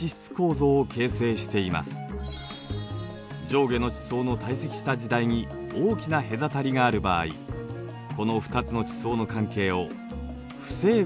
上下の地層の堆積した時代に大きなへだたりがある場合この２つの地層の関係を不整合といいます。